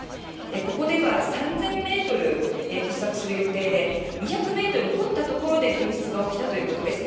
ここでは３０００ｍ掘削する予定で２００ｍ掘ったところで噴出が起きたということです。